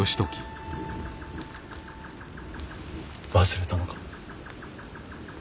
忘れたのか。